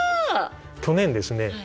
去年ですね